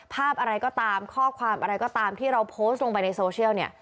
ภาพอะไรก็ตามข้อความอะไรก็ตามที่เราโพสต์ลงไปในโซเชียลเนี่ย